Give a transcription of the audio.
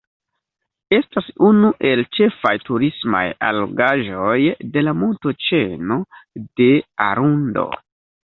Estas unu el ĉefaj turismaj allogaĵoj de la Montoĉeno de Arundo.